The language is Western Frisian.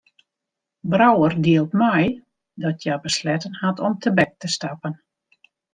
Brouwer dielt mei dat hja besletten hat om tebek te stappen.